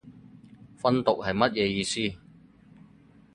訓讀係乜嘢意思